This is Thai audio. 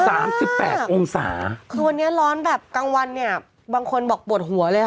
สามสิบแปดองศาคือวันนี้ร้อนแบบกลางวันเนี้ยบางคนบอกปวดหัวเลยค่ะ